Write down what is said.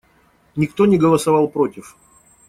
Никто не голосовал против.